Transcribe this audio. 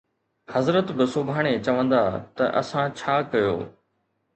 حضرت به سڀاڻي چوندا ته اسان ڇا ڪيو